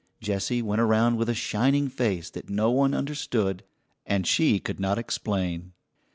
Jessie went around with a shining face that no one understood and she could not explain.